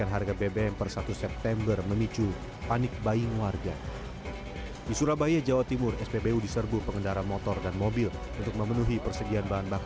harganya segini saja sudah susah